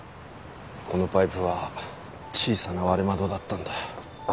このパイプは小さな割れ窓だったんだ。